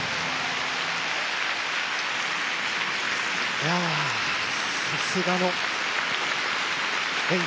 いやあさすがの演技です。